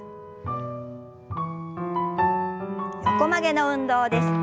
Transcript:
横曲げの運動です。